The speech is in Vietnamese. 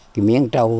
cái miếng trầu